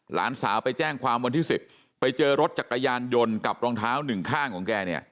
หลานสาวไปแจ้งความวันที่๑๐ไปเจอรถจักรยานยนต์กับรองเท้าหนึ่งข้างของแกเนี่ย